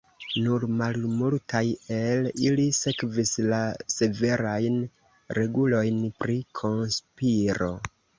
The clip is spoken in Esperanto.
Nur malmultaj el ili sekvis la severajn regulojn pri konspiro.